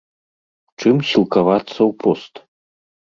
Чым сілкавацца ў пост?